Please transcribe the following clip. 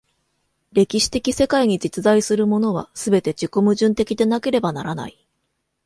歴史的世界に実在するものは、すべて自己矛盾的でなければならない。